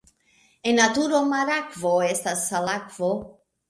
En naturo marakvo estas salakvo.